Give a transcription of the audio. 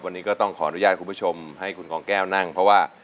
วันนี้ก็ต้องขออนุญาตคุณผู้ชมให้คุณกองแก้วนั่งเพราะว่า